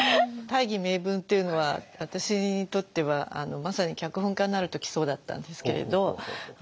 大義名分っていうのは私にとってはまさに脚本家になるときそうだったんですけれど。